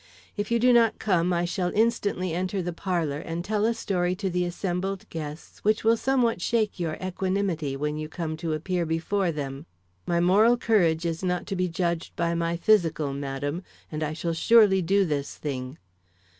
If you do not come, I shall instantly enter the parlor and tell a story to the assembled guests which will somewhat shake your equanimity when you come to appear before them. My moral courage is not to be judged by my physical, madam, and I shall surely do this thing.